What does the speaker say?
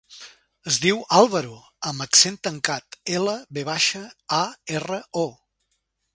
Es diu Álvaro: a amb accent tancat, ela, ve baixa, a, erra, o.